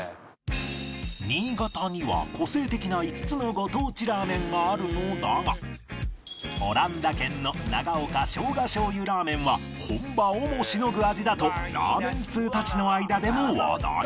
新潟には個性的な５つのご当地ラーメンがあるのだがオランダ軒の長岡生姜醤油ラーメンは本場をもしのぐ味だとラーメン通たちの間でも話題に